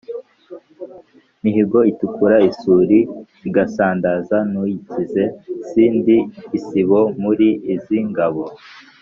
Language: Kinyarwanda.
mihigo itikura isuli igasandaza n'uyikinze, si ndi isibo muli izi ngabo